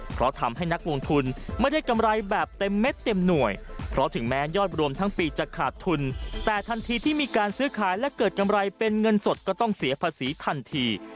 เพราะทำให้นักลงทุนไม่ได้กำไรแบบเต็มเม็ดเต็มหน่วยเพราะถึงแม้ยอดรวมทั้งปีจะขาดทุนแต่ทันทีที่มีการซื้อขายและเกิดกำไรเป็นเงินสดก็ต้องเสียภาษีทันที